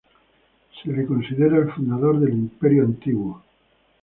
Se le considera el fundador del Imperio Antiguo.